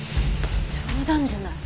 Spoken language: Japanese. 冗談じゃない。